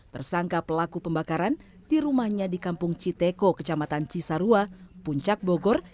tersangka pelaku pembakaran di rumahnya di kampung citeko kecamatan cisarua puncak bogor